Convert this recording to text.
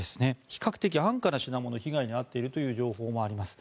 比較的安価な品物が被害に遭っているという情報もあります。